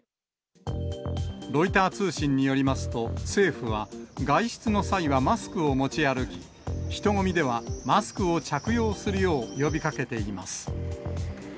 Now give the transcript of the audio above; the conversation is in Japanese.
ロイター通信によりますと、政府は、外出の際はマスクを持ち歩き、人混みではマスクを着用するよう呼びかけています。